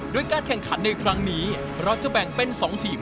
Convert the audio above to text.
โดยการแข่งขันในครั้งนี้เราจะแบ่งเป็น๒ทีม